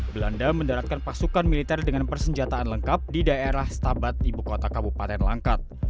belanda mendaratkan pasukan militer dengan persenjataan lengkap di daerah stabat ibu kota kabupaten langkat